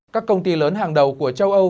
các công ty lớn hàng đầu của châu âu